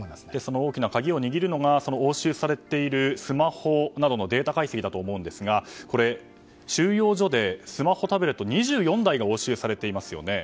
大きな鍵を握るのが押収されているスマホなどのデータ解析だと思うんですが収容所でスマホ、タブレットが２４台が押収されていますよね。